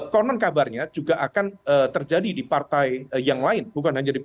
konon kabarnya juga akan terjadi di partai yang lain bukan hanya di p tiga